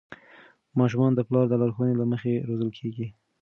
ماشومان د پلار د لارښوونو له مخې روزل کېږي.